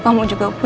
dia sudah berubah